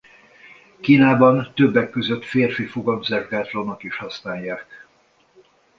Kínában többek között férfi fogamzásgátlónak is használják.